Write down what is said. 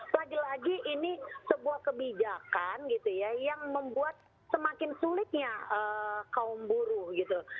lagi lagi ini sebuah kebijakan gitu ya yang membuat semakin sulitnya kaum buruh gitu